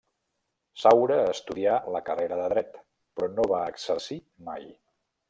Saura estudià la carrera de Dret, però no va exercir mai.